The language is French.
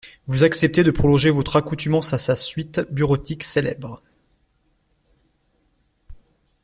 Vous acceptez de prolonger votre accoutumance à sa suite bureautique célèbre.